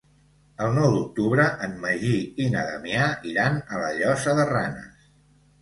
El nou d'octubre en Magí i na Damià iran a la Llosa de Ranes.